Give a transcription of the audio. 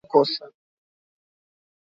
Alifanya makosa